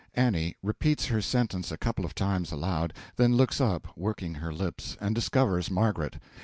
A. (Repeats her sentence a couple of times aloud; then looks up, working her lips, and discovers Margaret.)